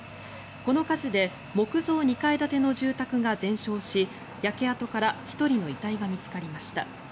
この火事で木造２階建ての住宅が全焼し焼け跡から１人の遺体が見つかりました。